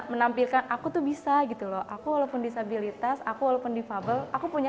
menampilkan aku tuh bisa gitu loh aku walaupun disabilitas aku walaupun difabel aku punya